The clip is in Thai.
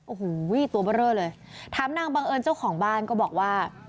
โอ้โหตัวเบอร์เรอเลยถามนางบังเอิญเจ้าของบ้านก็บอกว่า